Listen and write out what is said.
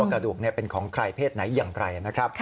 กระดูกเป็นของใครเพศไหนอย่างไรนะครับ